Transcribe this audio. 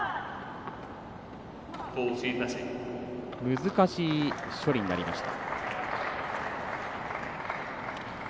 難しい処理になりました。